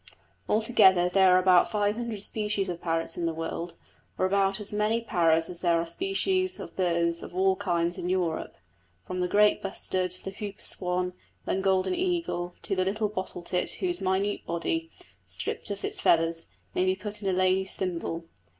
Altogether there are about five hundred species of parrots in the world, or about as many parrots as there are species of birds of all kinds in Europe, from the great bustard, the hooper swan, and golden eagle, to the little bottle tit whose minute body, stript of its feathers, may be put in a lady's thimble.